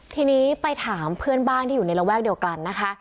ทีนี้ไปถามเพื่อนบ้านที่อยู่ในระแวกเดียวกันนะคะ